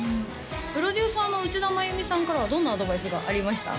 プロデューサーの内田眞由美さんからはどんなアドバイスがありました？